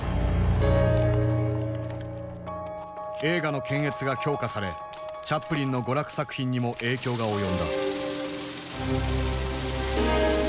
映画の検閲が強化されチャップリンの娯楽作品にも影響が及んだ。